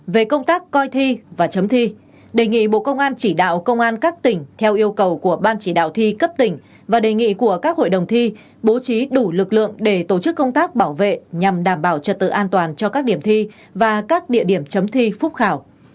về công tác coi thi và chấm thi đề nghị bộ công an chỉ đạo công an các tỉnh theo yêu cầu của ban chỉ đạo thi cấp tỉnh và đề nghị của các hội đồng thi bố trí đủ lực lượng để tổ chức công tác bảo vệ nhằm đảm bảo trật tự an toàn cho các điểm thi và các địa điểm chấm thi phúc khảo